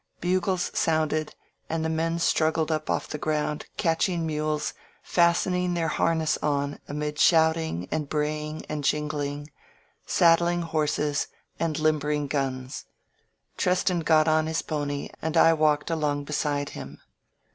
Bugles sounded, and the men strug gled up off the ground, catching mules, fastening their harness on amid shouting and braying and jingling, saddling horses and limbering guns. Treston got on his pony and I walked along beside him.